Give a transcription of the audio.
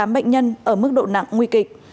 bốn trăm linh tám bệnh nhân ở mức độ nặng nguy kịch